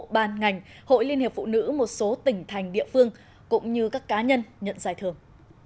ban ngành hội liên hiệp phụ nữ một số tỉnh thành địa phương cũng như các cá nhân nhận giải thưởng